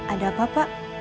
ada apa pak